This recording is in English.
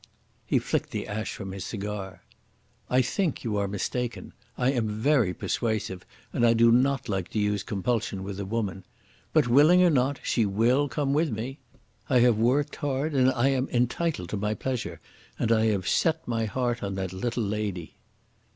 He flicked the ash from his cigar. "I think you are mistaken. I am very persuasive, and I do not like to use compulsion with a woman. But, willing or not, she will come with me. I have worked hard and I am entitled to my pleasure, and I have set my heart on that little lady."